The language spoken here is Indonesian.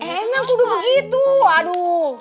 emang udah begitu